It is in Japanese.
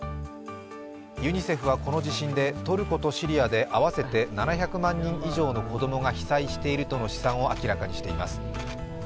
ユニセフはこの地震でトルコとシリアで合わせて７００万人以上の子供が被災しているとの試算を明らかにしています。